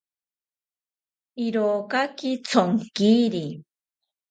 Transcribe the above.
Irokaki thonkiri